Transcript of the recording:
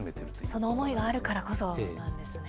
その思いがあるからこそなんですね。